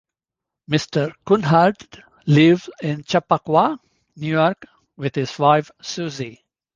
Mr. Kunhardt lives in Chappaqua, New York with his wife, Suzy.